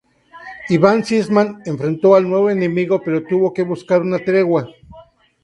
Iván Sisman enfrentó al nuevo enemigo pero tuvo que buscar una tregua.